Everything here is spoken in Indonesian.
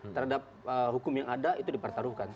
terhadap hukum yang ada itu dipertaruhkan